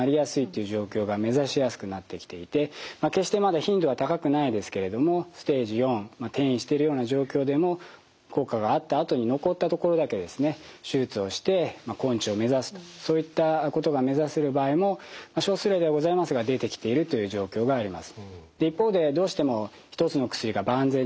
決してまだ頻度は高くないですけれどもステージ４転移してるような状況でも効果があったあとに残った所だけ手術をして根治を目指すとそういったことが目指せる場合も少数例ではございますが出てきているという状況があります。